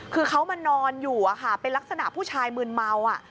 คือเขามานอนอยู่เป็นลักษณะผู้ชายมืนเมา